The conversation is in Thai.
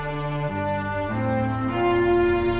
ข้ามหน้าของคุณท่าน